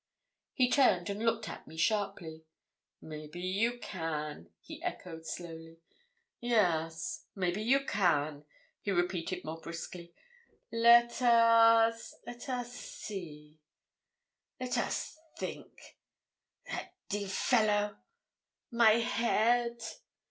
He turned, and looked at me sharply. 'Maybe you can,' he echoed slowly. 'Yes, maybe you can,' he repeated more briskly. 'Let us let us see let us think that d fellow! my head!'